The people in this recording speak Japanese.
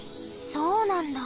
そうなんだ。